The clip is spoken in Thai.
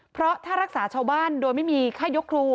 เพราะถ้ารักษาชาวบ้านโดยไม่มีค่ายกครู